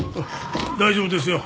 大丈夫ですよ。